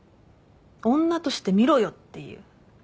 女として見ろよっていう。